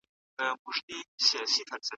ځوانان بايد له عاطفي اړيکو هاخوا فکر وکړي.